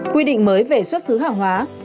quy định mới về xuất xứ hàng hóa